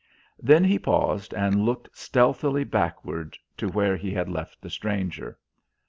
Then he paused and looked stealthily backward to where he had left the stranger.